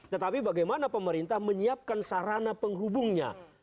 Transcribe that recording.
tetapi bagaimana pemerintah menyiapkan sarana penghubungnya